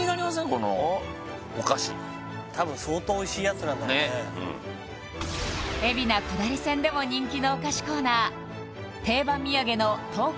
このお菓子多分相当おいしいやつなんだろうね海老名下り線でも人気のお菓子コーナー定番土産の東京ばな奈を筆頭に